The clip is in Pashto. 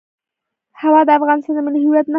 هوا د افغانستان د ملي هویت نښه ده.